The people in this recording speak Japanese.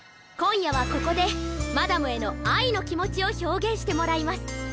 今夜はここでマダムへの愛の気持ちを表現してもらいます。